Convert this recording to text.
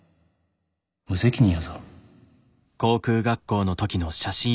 無責任やぞ。